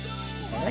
はい。